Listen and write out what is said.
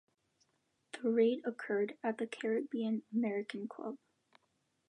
The raid occurred at the Caribbean American Club.